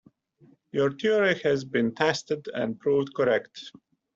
Your theory has been tested and proved correct.